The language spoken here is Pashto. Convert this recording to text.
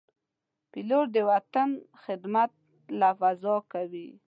پیلوټ د وطن خدمت له فضا کوي.